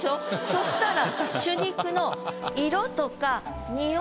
そしたら。